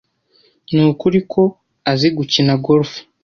Nukuri ko azi gukina golf